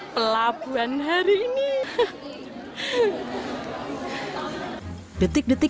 pelabuhan hari ini